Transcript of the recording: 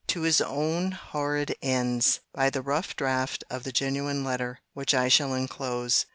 ] to his own horrid ends, by the rough draught of the genuine letter, which I shall enclose.